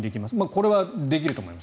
これはできると思います。